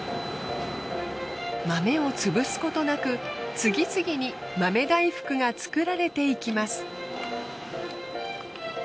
豆を潰すことなく次々に豆大福が作られていきます。